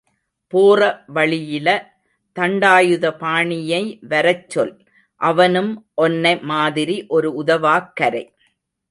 போற வழியில... தண்டாயுதபாணியை வரச் சொல்... அவனும் ஒன்னை மாதிரி ஒரு உதவாக்கரை.